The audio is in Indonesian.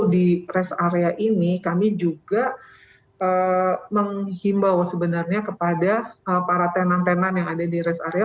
di rest area ini kami juga menghimbau sebenarnya kepada para tenan tenan yang ada di rest area